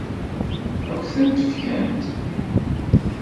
Ad k-tent-fkent?